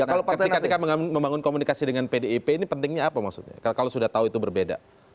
ketika membangun komunikasi dengan pdip ini pentingnya apa maksudnya kalau sudah tahu itu berbeda